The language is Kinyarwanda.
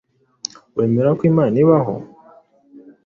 wemera ko Imana ibaho